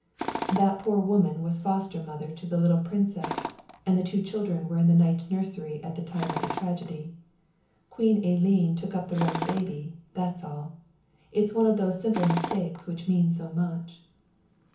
"That poor woman was foster mother to the little princess, and the two children were in the night nursery at the time of the tragedy. Queen Elene took up the wrong baby, that's all. It's one of those simple mistakes which mean so much.